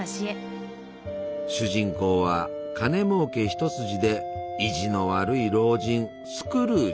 主人公は金もうけ一筋で意地の悪い老人スクルージ。